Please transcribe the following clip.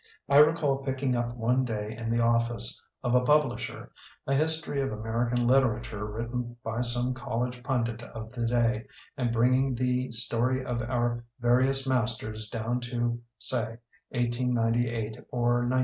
I recall picking up one day in the office of a publisher a history of American literature written by some college pundit of the day and bringing the story of our various masters down to say 1898 or 1900.